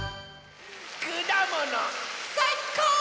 くだものさいこう！